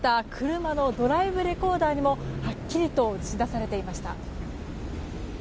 車のドライブレコーダーにもはっきりと映し出されていました。